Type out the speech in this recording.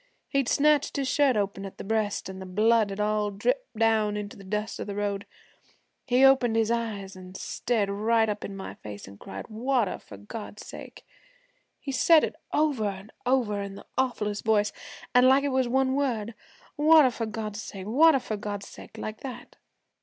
He'd snatched his shirt open at the breast, an' the blood had all dripped down into the dust of the road. He opened his eyes, an' stared right up in my face, an' cried, "Water, for God's sake!" He said it over an' over in the awfullest voice, an' like it was one word "Water for God's sake, water for God's sake" like that.